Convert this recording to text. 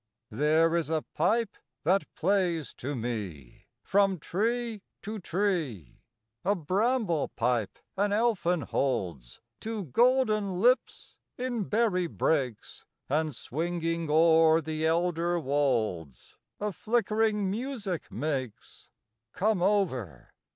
II. There is a pipe that plays to me From tree to tree: A bramble pipe an elfin holds To golden lips in berry brakes, And, swinging o'er the elder wolds, A flickering music makes: "Come over!